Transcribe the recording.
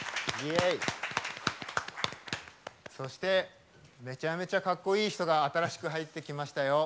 そして、めちゃめちゃかっこいい人が新しく入ってきましたよ。